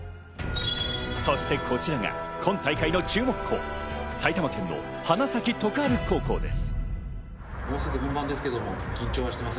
そしてこちらが今大会の注目校、埼玉県の花咲徳栄高校です。